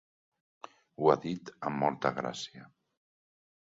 Ho ha dit amb molta gràcia.